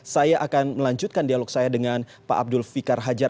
saya akan melanjutkan dialog saya dengan pak abdul fikar hajar